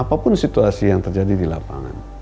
apapun situasi yang terjadi di lapangan